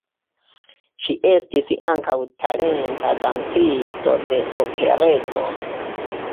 Ŝi estis ankaŭ talenta dancisto de operetoj.